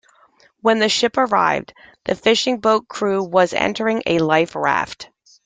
When the ship arrived, the fishing boat crew was entering a life raft.